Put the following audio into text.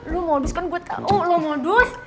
lu modus kan gue tau lu modus